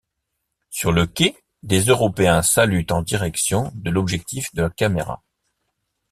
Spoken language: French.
Sur le quai, des Européens saluent en direction de l'objectif de la caméra.